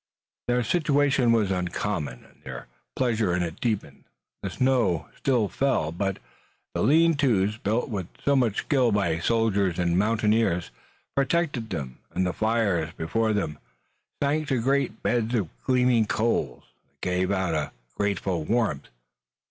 Their situation was uncommon, and their pleasure in it deepened. The snow still fell, but the lean tos, built with so much skill by soldiers and mountaineers, protected them, and the fires before them sank to great beds of gleaming coals that gave out a grateful warmth.